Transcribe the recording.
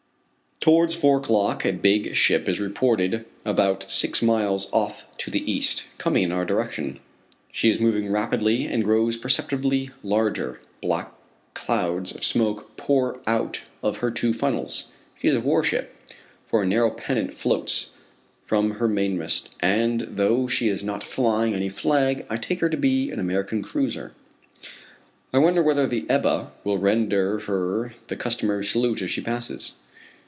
Towards four o'clock a big ship is reported about six miles off to the east, coming in our direction. She is moving rapidly and grows perceptibly larger. Black clouds of smoke pour out of her two funnels. She is a warship, for a narrow pennant floats from her main mast, and though she is not flying any flag I take her to be an American cruiser. I wonder whether the Ebba will render her the customary salute as she passes.